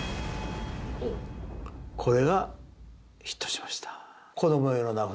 これがヒットしました。